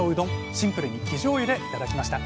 シンプルに生じょうゆで頂きました